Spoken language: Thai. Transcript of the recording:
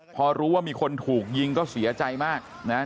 พอรู้ว่ามีคนถูกยิงก็เสียใจมากนะครับ